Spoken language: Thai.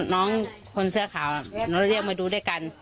น้องคนเสื้อขาวเราเรียกมาดูด้วยกัน